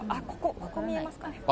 ここ、見えますかね？